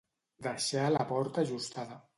Deixar la porta ajustada.